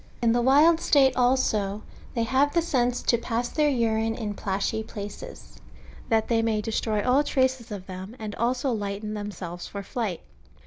In the wild st<ite also, they have the sense to pass their urine in plashy places, that they may destroy all traces of them, and so lighten themselves for flight.